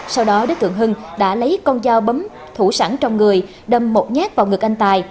sau đó đối tượng hưng đã lấy con dao bấm thủ sẵn trong người đâm một nhát vào người anh tài